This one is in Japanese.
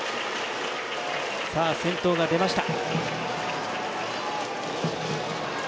先頭が出ました。